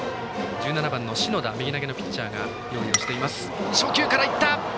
１７番の信田右投げのピッチャーが用意しています。